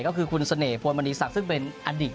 ก็คือคุณเสน่หวนมณีศักดิ์ซึ่งเป็นอดีต